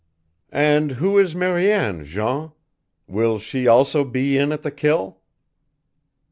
"And who is Mariane, Jean? Will she also be in at the 'kill?'"